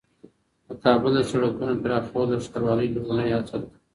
د کابل د سړکونو پراخول د ښاروالۍ لومړنۍ هڅه ده.